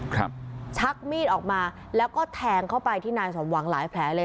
ครับชักมีดออกมาแล้วก็แทงเข้าไปที่นายสมหวังหลายแผลเลย